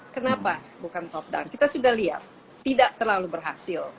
kenapa bukan top down kita sudah lihat tidak terlalu berhasil